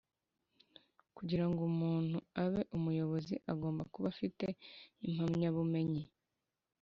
Kugira ngo umuntu abe Umuyobozi agomba kuba afite impamya bumenyi